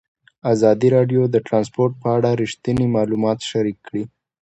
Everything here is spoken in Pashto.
ازادي راډیو د ترانسپورټ په اړه رښتیني معلومات شریک کړي.